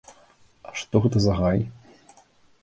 А гэта што за гай?